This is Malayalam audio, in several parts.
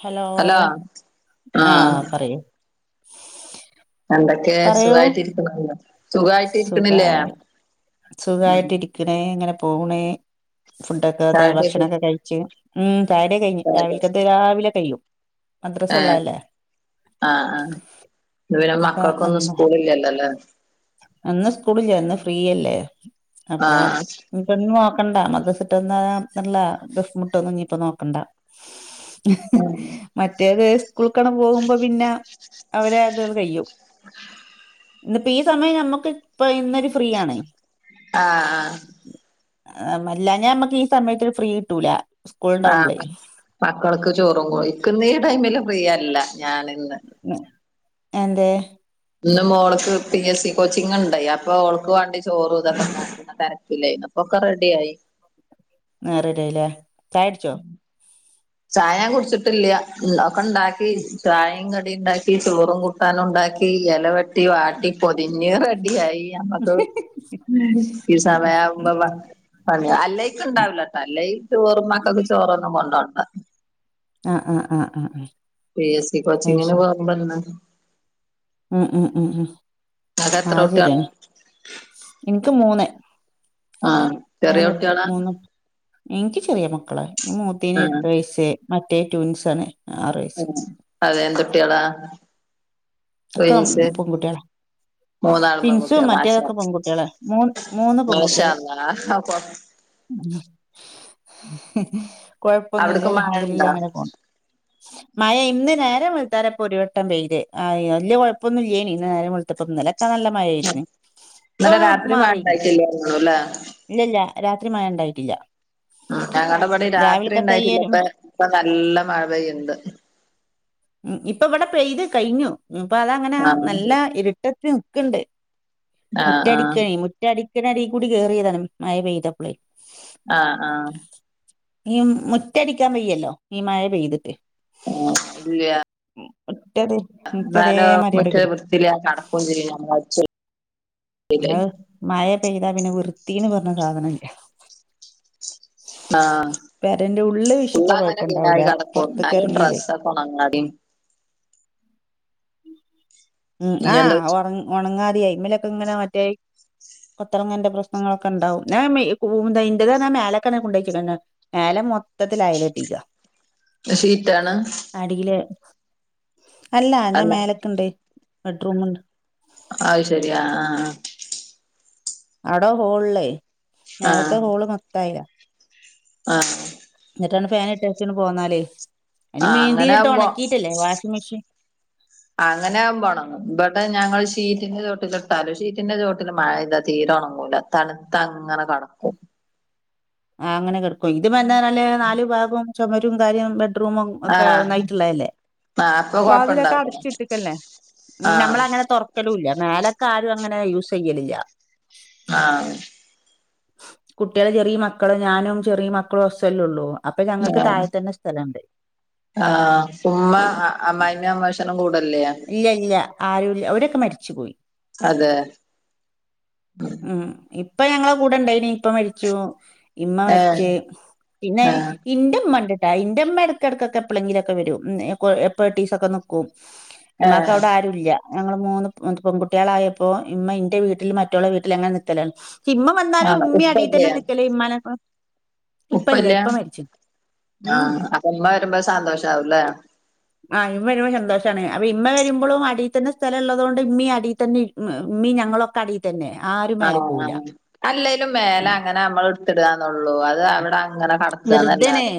ഹലോ ആഹ് പറയൂ എന്തൊക്കെ പറയൂ സുഖായിട്ടിരിക്കണോ സുഖായിട്ടിരിക്കണില്ലേ ഉം സുഖായിട്ട് ഇരിക്കണ് ഇങ്ങനെ പോണ് ഫുഡൊക്കെ തെ ചായുടിയൊക്കെ ഭക്ഷണൊക്കെ കഴിച്ച് ഉം ചായ കുടിയൊക്കെ കഴിഞ് ചായുടിയൊ രാവിലക്കത്തെ രാവിലെ കയും ഏഹ് മദ്രസള്ളതല്ലേ ആഹ് ആഹ് പിന്നെ അപ്പൊ മക്കൾക്കൊന്നും സ്കൂൾ ഇില്ലല്ലോല്ലേ ഇന്ന് സ്കൂളില്ലാ ഇന്ന് ഫ്രീയല്ലേ അപ്പൊ ആഹ് ഇപ്പൊ ഇനി നോക്കണ്ട മദ്രസ്സ വിട്ട് വന്നാൽ നല്ല ദഫ്മുട്ടും ഇനിപ്പോ നോക്കണ്ട ഉം മറ്റേത് സ്കൂളിൽക്കണ് പോവുമ്പോ പിന്നെ അവരെ അതൾ കയ്യും ഇന്നിപ്പോ ഈ സമയം നമ്മക്ക് ഇപ്പൊ ഇന്നൊരു ഫ്രീ ആണ് ആഹ് ആഹ് ആ അല്ലാഞ്ഞ മ്മക്ക് ഈ സമയത്ത് ഫ്രീ കിട്ടൂല സ്കൂൾ ആ ഉണ്ടാവുമ്പളേ മക്കൾക്ക് ചോറും കോയി നിക്ക് ഇന്ന് ഈ ടൈമിൽ ഫ്രീ അല്ല ഞാൻ ഇന്ന് എന്തേ ഇന്ന് മോൾക്ക് പി എസ് സി കോച്ചിങ് ണ്ടായി അപ്പൊ ഓൾക്ക് വേണ്ടി ചോറും ഇതക്ക ണ്ടാക്കി തെരക്കില്ലേ അപ്പൊ ഒകെ റെഡി ആയി ആഹ് റെഡി ആയിലെ ചായ കുടിച്ചോ ചായ ഞാൻ കുടിച്ചിട്ടില്ല ഒക്കെ ണ്ടാക്കി ചായും കടിയും ഉണ്ടാക്കി ചോറും കൂട്ടാനും ഉണ്ടാക്കി എല വെട്ടി വാട്ടി പൊതിഞ്ഞ് റെഡിയായി ഈ ഉം ഉം സമയം ആവുമ്പോ ഉം പണിയോ അല്ലേക്ക് ണ്ടാവില്ലട്ട അല്ലേൽ ചോറും മക്കൾക്ക് ചോറൊന്നും കൊണ്ടോണ്ട ആഹ് ആഹ് ആഹ് ആഹ് ആഹ് പി എസ് സി കോച്ചിങ്ന് പോവുമ്പോ എന്നാ ഉം ഉം ഉം ഉം ആഹ് എത്ര അത് കുട്ടികളാ ശരിയാണ് ഇനിക്ക് മൂന്ന് ആഹ് മൂന്ന് മൂന്ന് എനിക്ക് ചെറിയ മക്കള ആ മൂത്തേന്ന് എട്ട് വയസ് മറ്റേ ട്വിങ്സ് ആണ് ആറ് വയസ്സ് ഉം അതെ എന്തു കുട്ടിയളാ ഒക്ക പെൺകുട്ടികളാ മൂന്നാളും ട്വിൻസ്സു പെൺകുട്ടികളാ മാഷാ മറ്റേതൊക്കെ പെൺകുട്ടികള് മൂന്ന് മൂന്ന് മാഷാ പെൺകുട്ടികള്. അല്ലാഹ് അപ്പൊ കൊഴപ്പൊന്നുമില്ല അവിടക്ക് യാ മഴ അലഹംദുലില്ല ഉണ്ടോ അങ്ങനെ പോണ്. മയ ഇന്ന് നേരം വെളുത്തവരെ ഒരുവട്ടം പൈത് വല്യ കൊഴപ്പമൊന്നുല്ല്യേനി. ഇന്ന് നേരം വെളുത്തപ്പൊ ഇന്നലെ നല്ല മയയാരുന്നു ഇപ്പ ഇന്നലെ രാത്രി മഴ മാറി ഉണ്ടായിട്ടില്ലായിരുന്നു ല്ലേ ഇല്ലില്ല രാത്രി മഴ ഉണ്ടായിട്ടില്ല. ഞങ്ങടിവിടെ രാത്രി രാവിലക്കത്തെ ഈ ഇണ്ടായിട്ടില്ല ഒരു ഇപ്പ ഇപ്പ നല്ല മഴ പെയ്യണുണ്ട്. ഉ ഇപ്പ ഇവിടെ പെയ്ത് കഴിഞ്ഞു അപ്പൊ അതങ്ങനെ ആഹ് നല്ല ഇരുട്ടെത്തി നിക്കണ്ട്. ആഹ് ആഹ് മുറ്റടിക്കണി മുറ്റടിക്കണടിയിൽ കൂടി കേറിയതാണ് മഴ പെയ്തപ്പളേ ആഹ് ആഹ് ഈ മുറ്റടിക്കാൻ വയ്യല്ലോ ഈ മഴ പെയ്തിട്ട് ആ ഇല്ല മുറ്റത് എന്നാലൊ മുറ്റതേമാതിരി അവിടെ മുറ്റൊരു കെടക്കും വൃത്തിയില്ലതെ നടക്കതുംചെയ്യും [unintelligible] അത് മയ പെയ്താ പിന്നെ വൃത്തീന്ന് പറഞ്ഞ സാധനില്ല. ആഹ് പെരേന്റെ ഉള്ളില് വിഷിപ്പ ഫുള്ള് കൊഴപ്പണ്ടാവൂല്ല പൊറത്തേക്കിറങ്ങില്. ഓണങ്ങാതിൻ ഉം ഇനി ആ എന്താ ഒറ ഒണങ്ങാതെയായി ഇതുമേലൊക്കെ ഇങ്ങനെ മറ്റേ പൊത്തറങ്ങെന്റെ പ്രശ്നങ്ങളൊക്കെണ്ടാവും ഞാ മേ കു ഇന്റതാ മേലക്കെ കൊണ്ടെകലന്നെ മേലെ മൊത്തത്തിലയല് കെട്ടിക്കയാ ഷീറ്റാണ് അടില് അല്ല ഞാൻ മേലക്കിണ്ട് ബെഡ്റൂമുണ്ട്. അതുശരി ആഹ് ആഹ് ആഹ് അടോ ഹോളിലെ ആഹ് നേരത്തെ ഹോള് മൊത്തായില്ല. ആഹ് എന്നിട്ടന്ന് ഫാൻ ഇട്ടക്കിന്ന് പോന്നാലേ ഇനി ആഹ് മീന്തിയിൽ അങ്ങനെ ഇട്ട് ആവുമ്പോ ഉണക്കിയിട്ടില്ലേ വാഷിംഗ് മെഷീൻ അങ്ങനാകുമ്പൊണങ്ങും. ഇബടെ ഞങ്ങള് ഷീറ്റിന്റെ ചോട്ടിലിട്ടാല് ഷീറ്റിന്റെ ചോട്ടിൽ മഴ തീരെ ഉണങ്ങൂല. തണുത്ത അങ്ങനെ കടക്കും ആ് അങ്ങനെ കെടക്കും ഇത് എന്താനാല് നാലു ഭാഗവും ചൊമരും കാര്യം ബെഡ് റൂമും ആഹ് ഒക്കെന്നായിട്ടുള്ളതല്ലേ ആ അപ്പൊ വാതിലൊക്കെ കൊഴപ്പുണ്ടാവില്ല അടച്ചിട്ടക്കല്ലേ ഉം ആഹ് ഞമ്മളങ്ങനെ തുറക്കലും ഇല്ല മേലൊക്കെ ആരും അങ്ങനെ യൂസ് ചെയ്യലില്ല. ആഹ് കുട്ടികള് ചെറിയ മക്കളും ഞാനും ചെറിയ മക്കളും ഹസും അല്ലെ ഒള്ളൂ. അപ്പൊ ഞങ്ങക്ക് താഴെ തന്നെ സ്ഥലം ഉണ്ട്. ആ ഉമ്മ അമ്മായിമ്മ അമ്മയിച്ചനും കൂടില്ലേ ഇല്ല ഇല്ല. ആരുല്ല. അവരൊക്കെ മരിച്ചുപോയി. അതെ. ഉം ഇപ്പ ഞങ്ങള കൂടെ ഇണ്ടായിനി. ഇപ്പ മരിച്ചു ഇമ്മ ഏഹ് മരിച്ച് പിന്നെ ഏഹ് ഇന്റുമ്മാ ഇണ്ട്ട്ടാ ഇന്റുമ്മ എടക്കടക്കൊക്കെ എപ്പളെങ്കിലൊക്കെ വരും. [unintelligible] ഒക്കെ നിൽക്കും ഏഹ് ഇമ്മാക്കവിടെ ആരുംല്ല ഞങ്ങള് മൂന്ന് പെൺകുട്ടികളായപ്പോ ഇമ്മ ഇന്റെ വീട്ടിലും മറ്റൊൾടെ വീട്ടിൽ അങ്ങനെ നിക്കലാണ് ഇമ്മ വന്നാലും ആഹ് ഇമ്മി അടീത്തന്നെ നിക്കല് ഇമ്മാനൊപ്പം ഉപ്പയില്ല ആ ഉം അതിമ്മ വരുമ്പോ സന്തോഷ ആവുലേ ആഹ്. ഇമ്മ വരുമ്പോ സന്തോഷാണ്. അപ്പ ഇമ്മ വരുമ്പളും അടീത്തന്നെ സ്ഥലം ഉള്ളത്കൊണ്ട് ഇമ്മീം അടീത്തന്നെ മ് മീ ഞങ്ങളൊക്കെ അടി തന്നെ ആറ് ആ ആ അല്ലേങ്ലും മേലെ അങ്ങനെ നമ്മൾ എടുത്തിടാനെയുള്ളൂ അത് അവിടെ അങ്ങനെ നടക്കുവാനല്ലതെ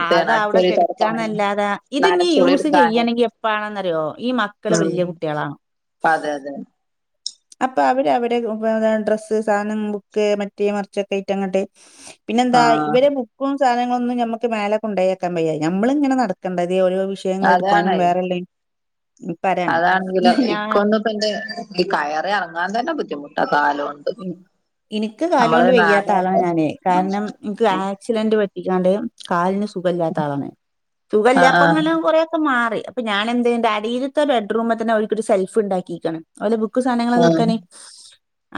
ആ അത് അവിടെ കെടുക്കണതല്ലാതെ ഇത് നീ നനച്ചുളി യൂസ് എടുക്കാനും ചെയ്യാണെങ്കി എപ്പാണെന്നറിയോ ഈ മക്ക മക്കള് ഉം വലിയ കുട്ടികളാവണം. അതെ അതെ അപ്പ അവര് അവടെ ഉപ ഡ്രസ്സ്സാനം ബുക്ക് മറ്റേമർച്ചെ കയ്റ്റങ്ങട്ട് പിന്നെന്താ ആഹ് ഇവരെബു ക്കും സാധങ്ങളെന്നും ഞമ്മക്ക് മേലേകൊണ്ടൊയോക്കാൻ വെയ്യ ഞ മ്മളിങ്ങനെ നടക്കണ്ടേതി ഓരോവിശ് യങ്ങള് ഇട്ക്കാനും വേറെളെയ് അതാണെങ്കിലോ ഞാൻ ഇക്കൊന്ന്പിന്റെ ഈ കയറിഎറങ്ങാൻ തെന്നെ ബുദ്ധിമുട്ടാകാലോണ്ട്. മം ഇൻക്ക് കാലോണ്ട് വെയ്യാത്ത ആളാണ് വട്ടം ഞാന് കാരണം ഇൻക്ക്അ സ്ലന്റ് പറ്റിക്കാണ്ട് കാലിന് സുഖല്ല്യാത്ത ആളാണ് ആഹ് സുഖല്ല്യാപ്പങ്ങുളും കൊറെ പമാറി അപ്പ ഞാന് എന്തേയ്ന്റ് അടീലെത്തെ ബെഡ്റൂമിൽതെന്നെ ഓൽക്കൊരു സെൽഫ് ഇണ്ടാക്കീക്ണ്. ഓലെ ബുക്ക്സാനങ്ങളൊക്കെ ആഹ് വെക്കന്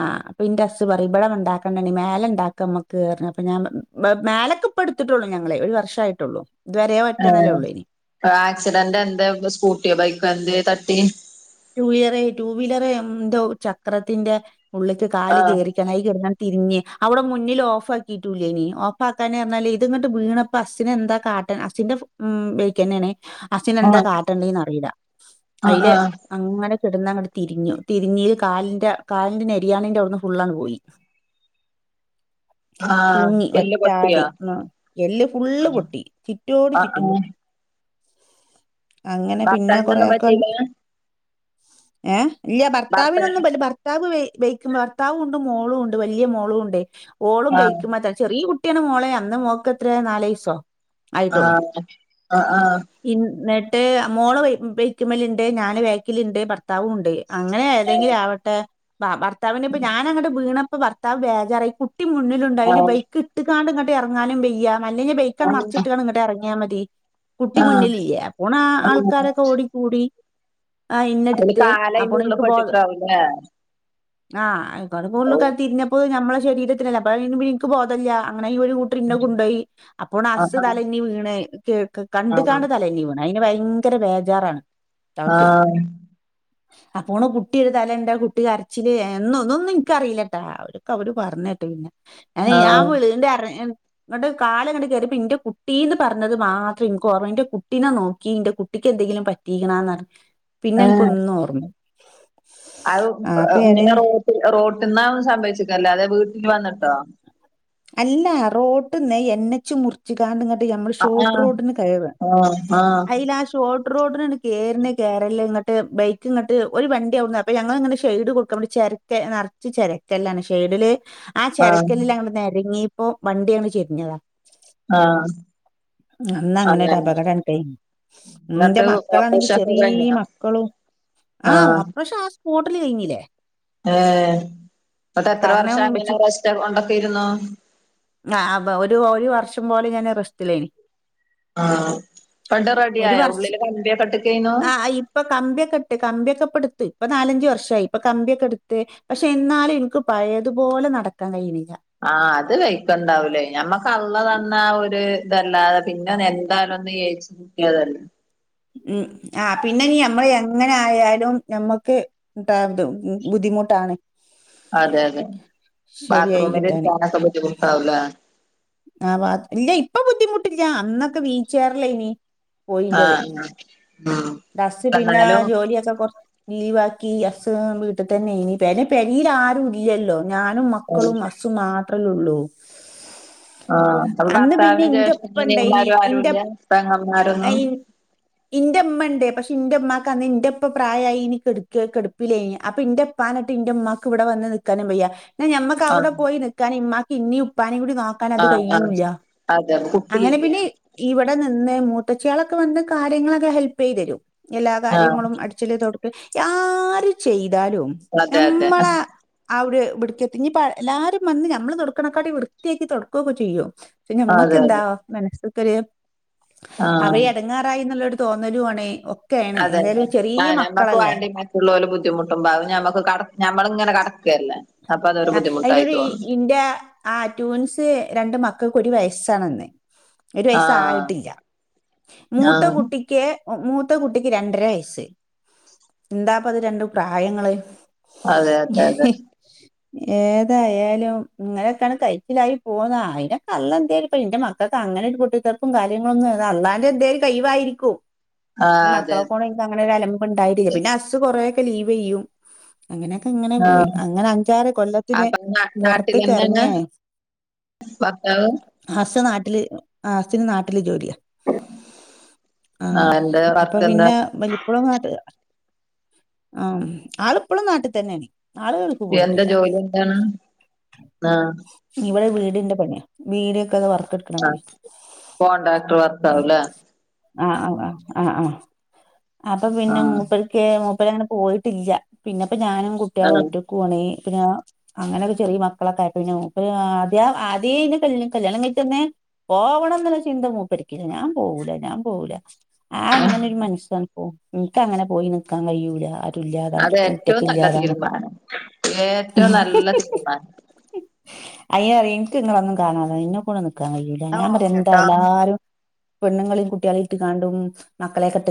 ആ അപ്പ്ന്റെ ഹസ്സ് പറയിം ഇപടെ ഇണ്ടാക്കണ്ടണി മേലെ ഇണ്ടാക്കാം അമ്മക്ക്അപ്പൊ ഞാൻ വെ മേലക്ക് ഇപ്പോട്ത്ട്ടൊള്ളു ഞങ്ങളെയ് ഒര് വർഷയിട്ടൊള്ളൂ. ഇദ് വെരെ ആഹ് ആഹ് ഒറ്റന്നിലഒള്ളയ്നിം. ആക്സിഡന്റ് എന്തേ സ്കൂട്ടിയോ ബൈക്കോ എന്തേതട്ടി റ്റുഇയറെയ് റ്റു വീലെറെന്തോ ചക്രത്തിന്റെ ഉള്ള്ക്ക് ആഹ് കാല്കേറി അയ്കെടന്നട് തിരിഞ്ഞ് അവുടെ മുന്നിൽ ഓഫാക്കിയിട്ടൂല്ലെയ്നി ഓഫാക്കാന് പർഞ്ഞാല് ഇതിങ്ങട്ട് വീണ ഹസ്സിന് എന്താകാട്ടാ അസ്സിന്റെ മം ബെയ്ക്കെന്നെണ്. അസ്സിനെന്താ ആഹ് കാട്ടേണ്ടീന്ന് അറീല ആഹ് അയ് ല് ആഹ് അങ്ങനെ കിടുന്നങ്ങ തിരിഞ്ഞു തിരിഞ്ഞീല് കാലിന്റെ കാലിന്റെ നേരി ണിന്റെറ അവുട്ന്ന്ഫുൾണ് പോയി. [inaudible] തൂങ്ങി എല്ല് വറ്റാടി പൊട്ടിയോ മ് എല്ല് ഫുള്ള്പൊട്ടി ചി ആഹ് ആഹ് റ്റോട്ചിറ്റുംപൊട്ടി അങ്ങനെപിന്നെ ഭർത്താവിനൊന്നും കൊറെയൊക്കെ പറ്റിയില്ല ഏഹ് ഇല്ല്യ ഭർത്ത ഭർത്താവിനൊന്നുംഭൽ ഭർ ഭർത്താവ്ബെയ് ബേയ്ക്മ്മേ ഭർത്താവൂണ്ട് മോളൂണ്ട് വല്ല്യാ മോളൂണ്ടേയ് ഓളും ആഹ് ബെയ്കുമ്മേത ചെറിയകു കുട്ടിയാണ് മോളെ അന്ന് മോകേത്രെ നാലെയ്സോ ആആ ആ ഇന്നെട്ട് മോള് ബെയ്ക്മ്മല്ണ്ട് ഞാന് വെക്ക്ല്ണ്ട് ഭർത്താവൂണ്ട്. അങ്ങനെ ഏതെങ്കിലുംആവട്ടെ ഭ ഭർത്താവിനിപ്പോ ഞാനങ്ങട്ട് വീണപ്പോ ഭർത്താവ്ബേജാറായി കു ണ്ടിമുന്നിലുണ്ടായിനി ആഹ് ബൈക്ക് ഇട്ട് കാണ്ട് ഇങ്ങട്ട് ഇറങ്ങാനും വെയ്യാ അല്ലെങ്കിബെയ് ആഹ് ക്കമറിച്ചിട്ട്ക്കാണ്ട് ഇങ്ങട്ട് എറങ്ങിയാ മതി കുട്ടി ആഹ് മുന്നില്ല്ല്യേ അപ്പോണ ആഹ് ആൾക്കാരൊക്കെ ഓടിക്കൂടി ആഹ് അതില് ഇന്നെടുത്ത് കാല് അയിന്റെ ഉള്ള് അപ്പൊളിനിക് ബോധ പെട്ട്ക്കാവുല്ലേ ആഹ് ഇബടെഫുള്ള്താ ആഹ് തിരിഞ്ഞപ്പോ ഞമ്മളെ ശരീര തിനല്ല അപ്പയ്ന്ഇൻക് ബോധല്ല അങ്ങനെഇ ഡ്രിന്നെ കൊണ്ടോയി അപ്പോണ് അസ്സ് ആഹ് തലന്നി വീണ് കേക്ക് ആഹ് കണ്ട്ക്കാണ്ട് തലെന്നിവീണ് അയ്ന് ഭയങ്കര ബേജാറാണ് അവക്ക് [inaudible] അപ്പോണ് കുട്ടിഒര്തലണ്ട് കുട്ടി അരച്ചില് എന്നൊ ഒന്നുംന്നും നിനക്ക്റിയില്ലട്ടാ അവരൊക്കെ അവര് പറഞ്ഞ കേട്ട്ണ് ആഹ് ആവിളുന്റെ അറെ ന്നട്ട് കാല്ങ്ങട്ട് കേറുമ്പോ ഇന്റെ കുട്ടീന്ന് പറഞ്ഞത് മാത്രംഇൻക്ഓർമ്മണ്ട് ഇ ന്റെ കുട്ടിനെ നോക്കി ഇന്റെ കു കുട്ടിക്ക് എന്തെങ്കിലും പറ്റിക്ക്ണോന്നാണ് പിന്നെ ഇൻക്കൊന്നും ഓർമ്മ അഹ് ആ അപ്പൊ ഏതായാലും ഇങ്ങനെ റോട്ട് റോട്ട്ന്നാ സംഭവിച്ച് ക്കലെ അതേ വീട്ടില് വന്നിട്ടോ. അല്ല റോട്ട്ന്ന് എന്നെച്ച് മുർ ച്ച്ക്കാണ്ട് ഞമ്മൾ ആഹ് ഷോർട്ട് റോട്ടിന് കയാറ ആഹ് ആഹ് അയ്ലാ ഷോർട്ട് റോഡിനട് കെർണ കേറല് ഇങ്ങട്ട് ബെയ്ക്ക്ങ്ങട്ട് ഓല് വണ്ടി അ വുട്ന്ന് അപ്പ ഞങ്ങൾ ഇങ്ങനെ ഷെയ്ഡ് കൊടുക്കാ ചെര കേ നർച് ചെരക്കെല്ലാണ് ഷെയ്ഡില് ആ ആഹ് ചെരക്കല്ലിൽ അങ്ങനെരങ്ങിപ്പോ വണ്ടിയാണ് ചെരിഞ്ഞു ആഹ് അന്നങ്ങനെട് അങ്ങനെ ഒര്അപകടംഇണ്ടയ് ഇ ന്റെ എന്നിട്ട് മക്കളാണെങ്കി ഓപ്പറേഷൻ ഒക്കെ ചെറിയ കഴിഞ്ഞോ മക്കളും. ആഹ് അപ്പോ ഷാസ് സ്പോട്ടിൽ കഴിഞ്ഞിലേ? ഏഹ് ന്നട്ട് എത്ര കാരണം വർഷം അങ്ങനെ വെച്ചു രസ്റ്റ് കൊണ്ടൊക്കെയിരുന്നു. ആവ ഒര് ഒരു വർഷം പോലെ ഞാന് റെസ്റ്റിലേനി ആഹ് പണ്ട് ഒരു റെഡിയായോ വർഷം ഉള്ളില് കമ്പിയൊക്കെട്ട്കെയ്ന്നു ആ ഇപ്പൊ കമ്പിയൊക്കെട്ട് കമ്പിയൊക്കെ ഇപ്പെട്ത്ത് ഇപ്പൊ നാലഞ്ച് വർഷമായി ഇപ്പൊ കമ്പിയൊക്കെടുത്ത് പക്ഷെ ഇന്നാലും ഇന്ക്ക് പഴയതുപോലെ നടക്കാൻ കയ്യിണില്ല ആഹ് അത് വൈക്ക്ണ്ടാവൂലേ ഞമ്മക്കള്ളതന്ന ആ ഒര് ഇതല്ലാതെ പിന്നതെന്തായാലും ഒന്ന് ഏച്ച് കൂട്ടിയതല്ലെ ഉം ആഹ് പിന്നെ നീ നമ്മള് എങ്ങനെ ആയാലും നമ്മക്ക് [unintelligible] ബുദ്ധിമുട്ടാണ് അതെ അതെ ശരിയായി ബാത്രൂമില് കിട്ടാന് പോവാനൊക്കെ ബുദ്ധിമുട്ടാവുല്ലേ ആ ബാത്ത് ഇല്ല ഇപ്പൊ ബുദ്ധിമുട്ടില്ല അന്നൊക്കെ വീൽചെയ്യാറിലെയിനി ആ അങ്ങനെ ഉം ബസ് പിന്നാ എന്നാലും ജോലിയൊക്കെ കോർ ലീവാക്കി അസ്സ് വീട്ട് തന്നെനി പിന്നെ പെരീൽ ആരുല്ലല്ലോ ഞാനും ഉം മക്കളും അസ്സ് സും മാത്രല്ലേള്ളൂ ആഹ് അപ്പൊ ഭർത്താവിന് ജേഷ്ഠ ഉപ്പ ഉണ്ടായിനി അനിയന്മാരും ഇന്റെ ആരൂല്ല പെങ്ങമാരൊന്നും ഇന്റെമ്മണ്ട് പക്ഷെ ഇന്റെമ്മാക്ക് അന്ന് ഇന്റപ്പ പ്രായായി ഇനികേട്ക്കാ കെടുപ്പില്ലേയിനി അപ്പൊ ഇന്റെ ഇപ്പാനെട്ട് ഇന്റെമ്മാക്ക് ഇവിടെ വന്ന് നിക്കാനും വയ്യ ഞമ്മക്ക് ആഹ് അവുടെപോയി നിക്കാന് ഇമമാക്ക് ഇനീം ഇപ്പാനെയും കൂടി നോ നത് ആഹ് ആഹ് കയ്യുല്ല അതെ അങ്ങനെ കുട്ടിയില്ലേ പിന്നെ ഇവിടെ നിന്ന് മൂത്തച്ചിയാളൊക്കെ വന്ന് കാര്യങ്ങളൊക്കെ ഹെൽപെയ്തരും എല്ലാ ആഹ് കാര്യങ്ങളും അടി ടിച്ചാല് തോടക്കല് ആര് ചെയ്താലും അതെ അതെ അവര് ഇബ്ടിക്കെത്തി ഇനിപ്പ എല്ലാരും വന്ന് നമ്മള് തുടക്കണെക്കാട്ടി വൃത്തിയാക്കി തൊടക്കു ഒക്കെ ചെയ്യും പക്ഷെ അതെ മ്മക്കെന്താ അതെ മനസ്സ്ക്കോര് ആഹ് അവര് എടങ്ങെറായിന്നുള്ളൊരു തോന്നലും ആണ് ഒക്കെണ് ഏതായാലും ചെറിയ മക്കളല്ലേ ഉള്ളോൽ ബുദ്ധിമുട്ടുംപാവം ഞമ്മക്ക് കട ഞമ്മളിങ്ങനെ കടക്കല്ലേ അപ്പൊ അതൊരു അഹ് ബുദ്ധിമുട്ടായി അയിനോരി തോന്നും ഇന്റെ ആഹ് ട്യൂൻസ് രണ്ട് മക്കക്ക് ഒരു വയസ്സാണ്ന്ന് ഒരു ആഹ് വയസ്സായിട്ടില്ല മൂത്ത ആഹ് കുട്ടി ക്കെ മൂത്ത കുട്ടിക്ക് രണ്ടര വയസ്സ് എന്താപ്പ അത് രണ്ടു പ്രായങ്ങള് അതെ അതെ [unintelligible] [inaudible] ഏതായാലും ഇങ്ങനൊക്കെയാണ് കയിച്ചിലായി പോന്ന അയിനൊകള്ള എന്തെലും ഇപ്പന്റെ മക്ക അതങ്ങനെ ഒരു പൊട്ടിത്തെറിപ്പും കാര്യങ്ങളൊന്നും അതഅല്ലാന്റെ എന്തെലും കൈവായിരിക്കും പിന്ന ആഹ് അതെ അതെ മക്കളെകൊണ്ട് ഇൻക്ക് അങ്ങനെരലമ്പ്ണ്ടായിട്ടില്ല പിന്നെ ഹസ്സ് കുറേ ഒക്കെ ലീവ് ചെയ്യും അങ്ങനെയൊക്കെ ഇങ്ങനെ പോയി ആഹ് അങ്ങനെ അഞ്ചാറ് കൊല്ലത്തിന് അപ്പൊ നാ നാട്ടിലെന്നെയാണ് പോറത്ത്ക്കെറങ്ങെ ഭർത്താവ് ഹസ് നാട്ടില് ആ ഹസ്സിന് നാട്ടില് ജോലിയാ ആഹ് എന്താ അപ്പൊ വർക്ക് എന്താ പിന്നെ വലി ഇപ്പളും നാട്ട് ആഹ് ആളിപ്പളും നാട്ട് തന്നെയണ് ആള് എന്താ പോയിട്ടില്ല ജോലി എന്താണ് ആഹ് ഇവിടെ വീടിന്റെ പണിയ വീടൊക്കെ അത് വർക്കെ ആഹ് കോണ്ട്രക്റ്റർ ഉം വർക്കാവുലെ ആ ആ ആ ആ ആ അപ്പൊ പിന്നെ ആഹ് മൂപ്പര് ഏഹ് മുപ്പരങ്ങനെ പോയിട്ടില്ല പിന്നെപ്പ ഞാനും കുട്ടികളും ഒറ്റക്കുവാണ് പിന്നെ അങ്ങനെയൊക്കെ ചെറിയ മക്കളൊക്കെ ആയിക്കഴിഞ്ഞ മൂപ്പര് ആദ്യ ആദ്യേന്റെ കല്യാണം കഴിട്ടെന്നെ പോവണംന്നുള്ള ചിന്ത മൂപ്പര്ക്കില്ല ഞാൻ പോവൂല ഞാൻ പോവൂല ആഹ് അങ്ങനെ ഒരു മനസ്സാണ് പോ ഇൻക്കങ്ങനെ പോയി നിക്കാൻ കഴിയൂല ഇല്ലാതാ ഒറ്റക്ക് ഇല്ലാതാണ് മാനം ഏറ്റവും നല്ല തീരുമാനം അയ്ന് പറിയും ഇന്ക്ക് ഇങ്ങളൊന്നും കാണതെ ഇന്നെ കൊണ്ടൊന്നു ന്നാ ഞാൻ പറയും എന്താ ഓക്കെട്ടോ എല്ലാരും പെണ്ണുങ്ങളും കുട്ടികളെ ഇട്ട് കാണ്ടും മക്കളെ ക